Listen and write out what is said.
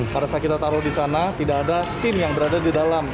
pada saat kita taruh di sana tidak ada tim yang berada di dalam